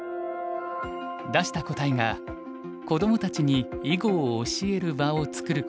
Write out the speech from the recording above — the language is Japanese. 出した答えが子どもたちに囲碁を教える場を作ること。